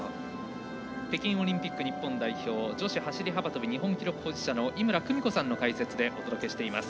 北京オリンピック日本代表女子走り幅跳び日本記録保持者の井村久美子さんの解説でお届けしています。